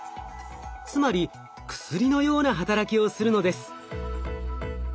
つまり薬のような働きをするのです。